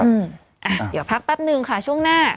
อ่าเดี๋ยวพักป๊ะหนึ่งคะช่วงหน้า